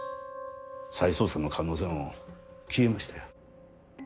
再捜査の可能性も消えましたよ。